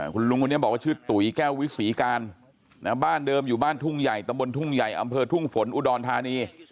คุณลุงคนนี้บอกว่าชื่อตุ๋ยแก้ววิศีการบ้านเดิมอยู่บ้านทุ่งใหญ่ตำบลทุ่งใหญ่อำเภอทุ่งฝนอุดรธานี